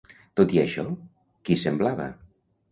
Tot i això, qui semblava?